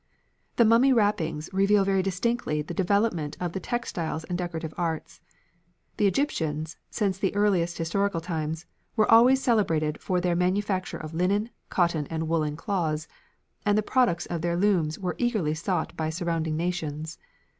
The mummy wrappings reveal very distinctly the development of the textiles and decorative arts. The Egyptians, since the earliest historical times, were always celebrated for their manufacture of linen, cotton, and woollen cloths, and the products of their looms were eagerly sought by surrounding nations.